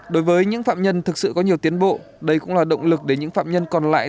đối với những phạm nhân thực sự có nhiều tiến bộ đây cũng là động lực để những phạm nhân còn lại